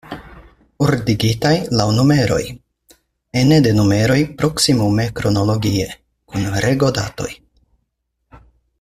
Ordigitaj laŭ numeroj; ene de numeroj proksimume kronologie; kun rego-datoj.